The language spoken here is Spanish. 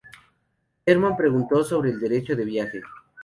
Ehrman preguntó sobre el derecho de viaje.